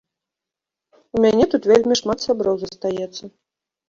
У мяне тут вельмі шмат сяброў застаецца.